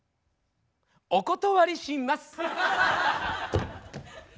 お断りします。